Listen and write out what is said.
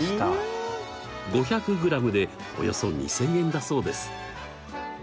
５００ｇでおよそ２，０００円だそうです。